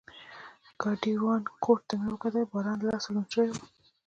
د ګاډیوان کوټ ته مې وکتل، باران له لاسه لوند شوی و.